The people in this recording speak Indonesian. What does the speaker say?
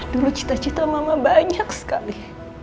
dulu cita cita mama banyak sekali